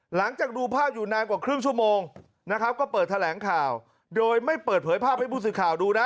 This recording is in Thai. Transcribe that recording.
หลังจากดูภาพอยู่นานกว่าครึ่งชั่วโมงนะครับก็เปิดแถลงข่าวโดยไม่เปิดเผยภาพให้ผู้สื่อข่าวดูนะ